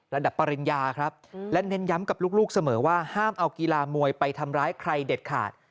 ปริญญาครับและเน้นย้ำกับลูกเสมอว่าห้ามเอากีฬามวยไปทำร้ายใครเด็ดขาด